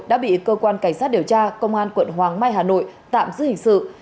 đã bị cơ quan cảnh sát điều tra công an quận hoàng mai hà nội tạm giữ hình sự